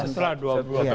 setelah dua dua belas itu